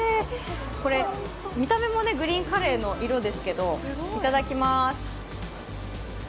これ、見た目もグリーンカレーの色ですけどいただきまーす。